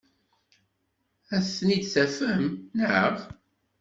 Ad ten-id-tafem, naɣ?